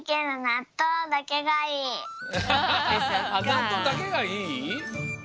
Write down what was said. なっとうだけがいい？